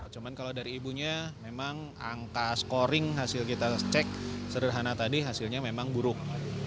cuma kalau dari ibunya memang angka scoring hasil kita cek sederhana tadi hasilnya memang buruk